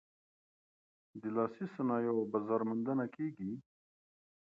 د لاسي صنایعو بازار موندنه کیږي؟